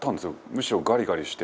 むしろ、ガリガリして。